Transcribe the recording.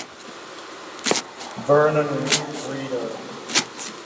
Vernon Reader.